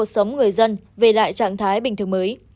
sống người dân về lại trạng thái bình thường mới